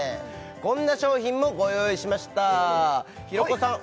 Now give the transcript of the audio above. こんな商品もご用意しました平子さん